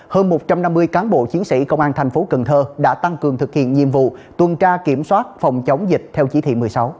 hơn một trăm năm mươi cán bộ chiến sĩ công an thành phố cần thơ đã tăng cường thực hiện nhiệm vụ tuần tra kiểm soát phòng chống dịch theo chỉ thị một mươi sáu